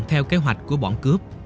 theo kế hoạch của bọn cướp